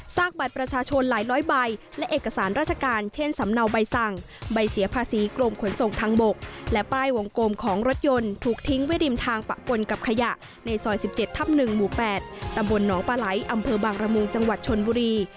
บัตรประชาชนหลายร้อยใบและเอกสารราชการเช่นสำเนาใบสั่งใบเสียภาษีกรมขนส่งทางบกและป้ายวงกลมของรถยนต์ถูกทิ้งไว้ริมทางปะปนกับขยะในซอย๑๗ทับ๑หมู่๘ตำบลหนองปลาไหลอำเภอบางระมุงจังหวัดชนบุรี